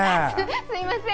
すみません。